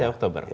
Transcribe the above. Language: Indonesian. saya oktober ya